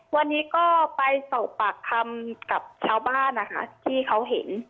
วันนี้ก็ไปสอบปากคำกับชาวบ้านนะคะที่เขาเห็น